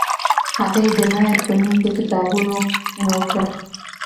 هغې د مهر په نوم د کتابونو غوښتنه وکړه.